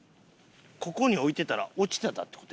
ここに置いてたら落ちてたって事やんか。